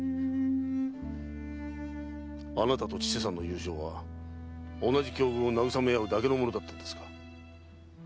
あなたと千世さんの友情は同じ境遇を慰めあうだけのものだったんですか？